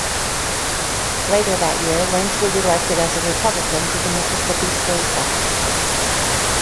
Later that year Lynch was elected as a Republican to the Mississippi State House.